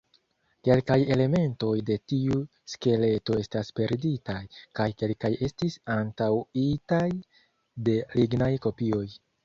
Kelkaj elementoj de tiu skeleto estas perditaj, kaj kelkaj estis anstataŭitaj de lignaj kopioj.